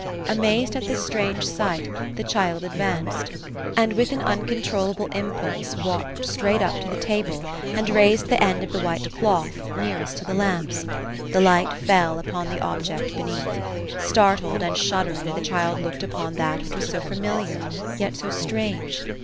Amazed at this strange sight, the child advanced ; and 220 OPHELIA ; with an uncontrollable impulse, walked straight up to the tableland rais ed tlie end of the white cloth, nearest to the lamps. Their light fell full upon the object beneath. Startled, and shuddering, the child look ed upon that which was so familiar, yet so strange.